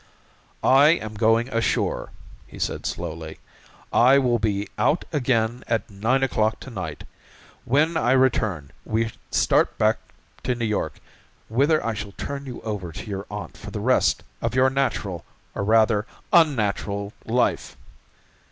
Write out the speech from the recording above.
"I am going ashore," he said slowly. "I will be out again at nine o'clock to night. When I return we start back to New York, wither I shall turn you over to your aunt for the rest of your natural, or rather unnatural, life."